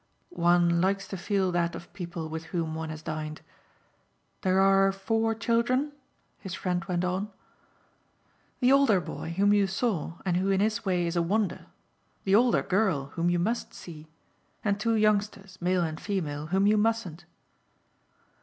"One likes to feel that of people with whom one has dined. There are four children?" his friend went on. "The older boy, whom you saw and who in his way is a wonder, the older girl, whom you must see, and two youngsters, male and female, whom you mustn't."